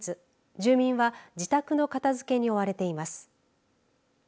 住民は自宅の片づけに追われています。